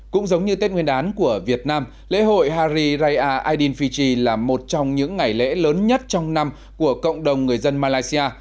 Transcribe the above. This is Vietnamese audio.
cũng giống như tết nguyên đán của việt nam lễ hội hari raya adin fiji là một trong những ngày lễ lớn nhất trong năm của cộng đồng người dân malaysia